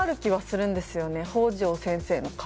北条先生の顔。